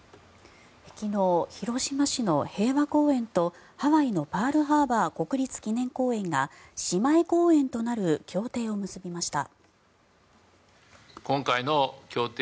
昨日、広島市の平和公園とハワイのパールハーバー国立記念公園が姉妹公園となる協定を結びました。